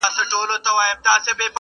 مندوشاه به کاڼه واچول غوږونه،